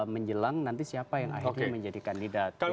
menjelang nanti siapa yang akhirnya menjadi kandidat